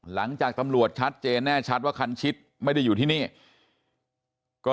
หลังจากตำรวจชัดเจนแน่ชัดว่าคันชิดไม่ได้อยู่ที่นี่ก็